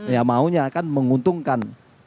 ya maunya kan menguntungkan